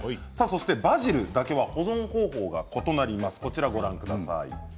バジルだけは保存方法が異なります。